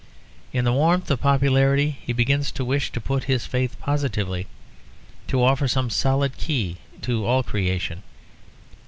In the warmth of popularity he begins to wish to put his faith positively; to offer some solid key to all creation.